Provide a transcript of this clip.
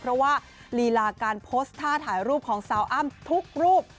เพราะว่าลีลาการโพสต์ท่าถ่ายรูปของสาวอ้ำทุกรูป